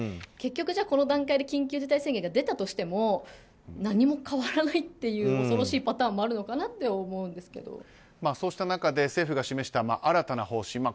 結局、この段階で緊急事態宣言が出たとしても何も変わらないという恐ろしいパターンもあるのかなとそうした中で、政府が示した新たな方針。